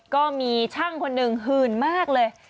ก็มีช่างคนหนึ่งหื่นมากเลย